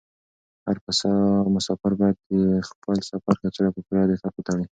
هر مسافر باید د خپل سفر کڅوړه په پوره دقت وتړي.